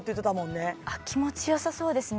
気持ち良さそうですね